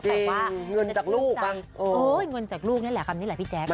จริงเงินจากลูกมั้ยเออเงินจากลูกนี่แหละคำนี้แหละพี่แจ๊ค